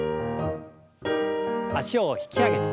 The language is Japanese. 脚を引き上げて。